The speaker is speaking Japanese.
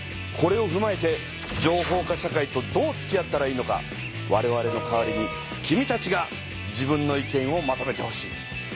これをふまえて情報化社会とどうつきあったらいいのかわれわれの代わりに君たちが自分の意見をまとめてほしい。